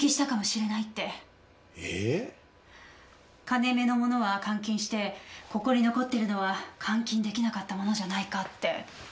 金目のものは換金してここに残ってるのは換金できなかったものじゃないかって。